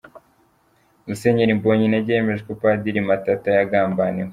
Musenyeri Mbonyintege yemeje ko Padiri Matata yagambaniwe